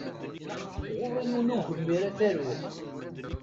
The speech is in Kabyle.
Ɣur-i yiwen n ugemmir ad t-aruɣ.